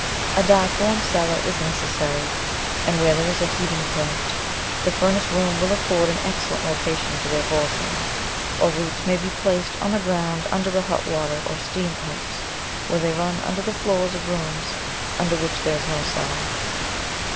A dark, warm cellar is necessary, and where there is a heating plant, the furnace room will afford an excellent location for their forcing, or roots may be placed on the ground under the hot water or steam pipes, where they run under the floors of rooms under which there is no cellar.